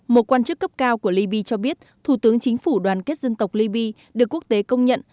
một quan chức cấp cao của liby cho biết thủ tướng chính phủ đoàn kết dân tộc libya được quốc tế công nhận